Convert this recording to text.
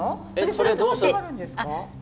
それどうしはるんですか？